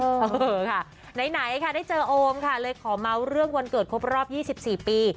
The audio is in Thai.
เออค่ะไหนค่ะได้เจอโอมค่ะเลยขอเมาส์เรื่องวันเกิดครบรอบ๒๔ปี